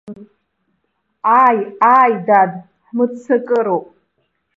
Ааи, ааи, дад, ҳмыццакыроуп.